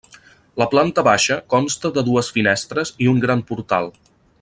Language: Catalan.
La planta baixa consta de dues finestres i un gran portal.